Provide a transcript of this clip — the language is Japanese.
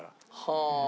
はあ。